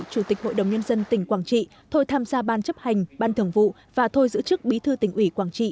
chủ tịch hội đồng nhân dân tỉnh quảng trị thôi tham gia ban chấp hành ban thường vụ và thôi giữ chức bí thư tỉnh ủy quảng trị